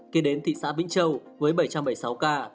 kế đến thị xã vĩnh châu với bảy trăm bảy mươi sáu ca